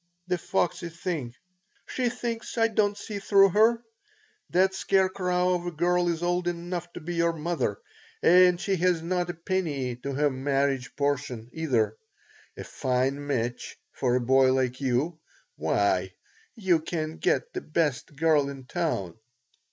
The foxy thing! She thinks I don't see through her. That scarecrow of a girl is old enough to be your mother, and she has not a penny to her marriage portion, either. A fine match for a boy like you! Why, you can get the best girl in town."